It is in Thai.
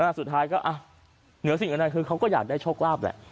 แล้วสุดท้ายเนื้อสิ่งที่แน่ขยากได้โชคลาปแหละ